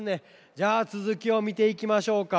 じゃあつづきをみていきましょうか。